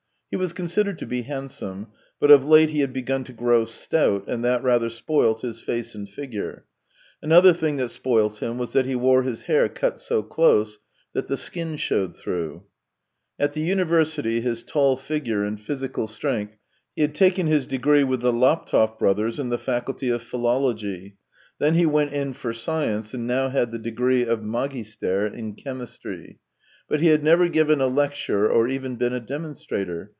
He was considered to be handsome, but of late he had begun to grow stout, and that rather spoilt his face and figure; another thing that spoilt him was that he wore his hair cut so close that the skin showed through. At the university his tall figure and physical strength had won him the nickname of " the pounder " among the students. He had taken his degree with the Laptev brothers in the faculty of philology — then he went in for science and now had the degree of magister in chemistry. But he had never given a lecture or even been a demon strator.